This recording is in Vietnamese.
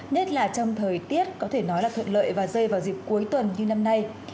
nhất là trong thời tiết có thể nói là thuận lợi và rơi vào dịp cuối tuần như năm nay